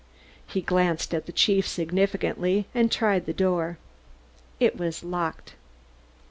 He glanced at the chief significantly, and tried the door. It was locked.